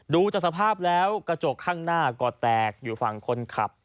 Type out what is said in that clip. ดูจากสภาพแล้วกระจกข้างหน้าก็แตกอยู่ฝั่งคนขับ